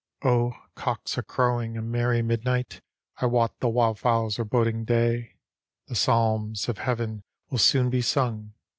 " O, cocks are crowing a merry midnight; I wot the wild fowls are boding day; The psalms of heaven will soon be sung.